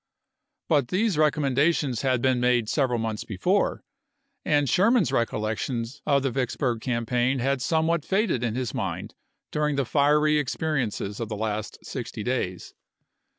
But these recommendations had been made several months before, and Sherman's recol lections of the Vicksburg campaign had somewhat faded in his mind during the fiery experiences of the last sixty days.